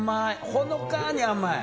ほのかに甘い。